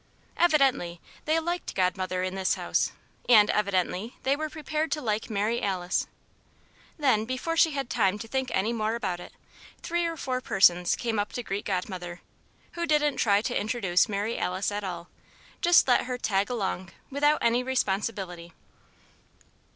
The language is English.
Evidently they liked Godmother in this house; and evidently they were prepared to like Mary Alice. Then, before she had time to think any more about it, three or four persons came up to greet Godmother, who didn't try to introduce Mary Alice at all just let her "tag along" without any responsibility.